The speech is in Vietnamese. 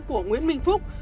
của nguyễn minh phúc